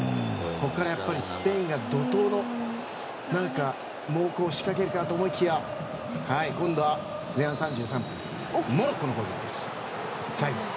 ここからスペインが怒涛の猛攻を仕掛けるかと思いきや今度は前半３３分モロッコの攻撃です。